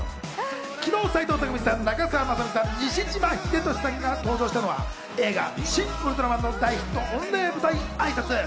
昨日、斎藤工さん、長澤まさみさん、西島秀俊さんが登場したのは、映画『シン・ウルトラマン』の大ヒット御礼舞台挨拶。